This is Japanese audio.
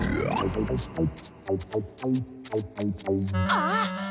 あっ。